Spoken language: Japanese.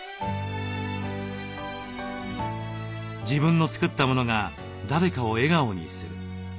自分の作ったものが誰かを笑顔にする。